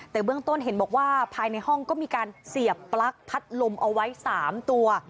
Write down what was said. แต่เบื้องต้นเห็นบอกว่าภายในห้องก็มีการเสียบปลั๊กพัดลมเอาไว้๓ตัว